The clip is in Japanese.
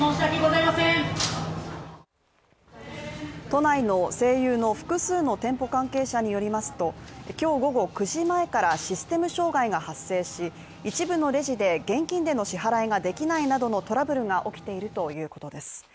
都内の西友の複数の店舗関係者によりますと今日午後９時前からシステム障害が発生し、一部のレジで現金での支払いができないなどのトラブルが起きているということです。